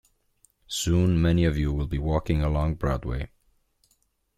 Soon many of you will be walking along Broadway.